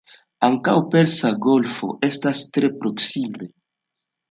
Ankaŭ Persa Golfo estas tre proksime.